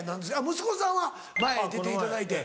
息子さんは前出ていただいて。